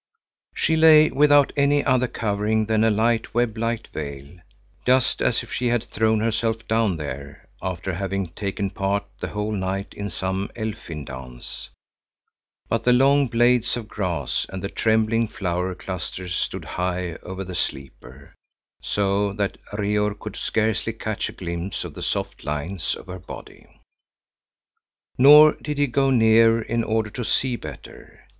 She lay without any other covering than a light, web like veil, just as if she had thrown herself down there after having taken part the whole night in some elfin dance; but the long blades of grass and the trembling flower clusters stood high over the sleeper, so that Reor could scarcely catch a glimpse of the soft lines of her body. Nor did he go nearer in order to see better.